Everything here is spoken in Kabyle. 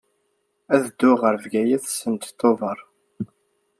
Ad dduɣ ɣer Bgayet send Tubeṛ.